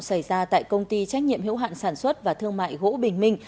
xảy ra tại công ty trách nhiệm hiệu hạn sản xuất và thương mại gỗ bình minh